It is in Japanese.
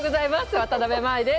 渡辺舞です。